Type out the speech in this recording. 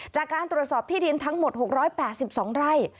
จากการตรวจสอบที่ดินทั้งหมด๖๘๒ไร่